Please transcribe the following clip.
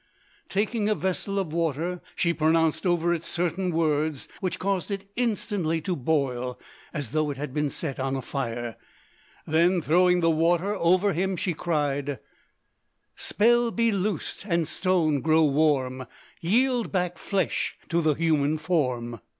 Taking a vessel of water she pronounced over it certain words which caused it instantly to boil as though it had been set on a fire: then throwing the water over him, she cried "Spell be loosed, and stone grow warm, Yield back flesh to the human form."